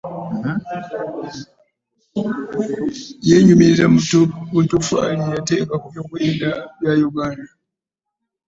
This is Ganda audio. Yenyumiriza mu ttoffaali lye yateeka ku by'okwerinda bya Uganda.